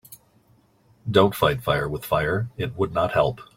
Don‘t fight fire with fire, it would not help.